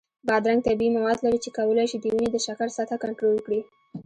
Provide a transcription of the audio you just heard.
بادرنګ طبیعي مواد لري چې کولی شي د وینې د شکر سطحه کنټرول کړي.